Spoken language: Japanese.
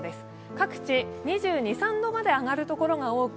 各地、２２２３度まで上がる所が多く